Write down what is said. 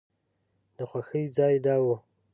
د خوښۍ ځای دا و.